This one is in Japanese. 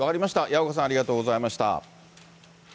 矢岡さん、ありがとうございました。